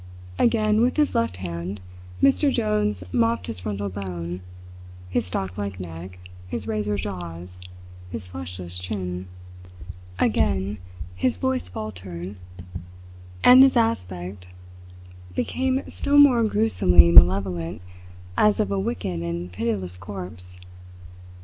Again, with his left hand, Mr. Jones mopped his frontal bone, his stalk like neck, his razor jaws, his fleshless chin. Again his voice faltered and his aspect became still more gruesomely malevolent as of a wicked and pitiless corpse.